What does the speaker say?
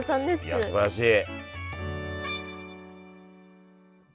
いやすばらしい！